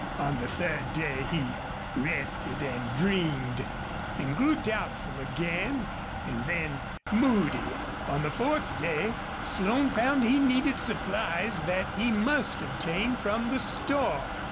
On the third day he rested and dreamed, and grew doubtful again, and then moody. On the fourth day Slone found he needed supplies that he must obtain from the store.